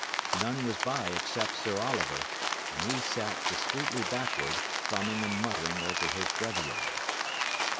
None was by except Sir Oliver, and he sat discreetly backward, thumbing and muttering over his breviary.